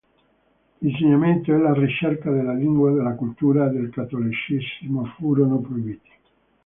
L'insegnamento e la ricerca della lingua, della cultura e del cattolicesimo furono proibiti.